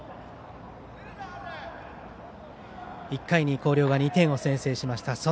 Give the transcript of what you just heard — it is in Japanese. １回に広陵が２点先制しました。